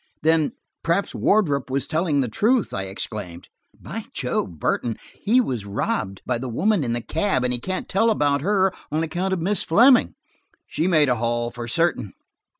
"Then–perhaps Wardrop was telling the truth," I exclaimed. "By Jove, Burton, he was robbed by the woman in the cab, and he can't tell about her on account of Miss Fleming! She made a haul, for certain."